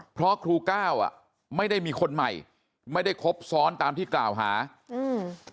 เพราะครูก้าวอ่ะไม่ได้มีคนใหม่ไม่ได้ครบซ้อนตามที่กล่าวหาอืม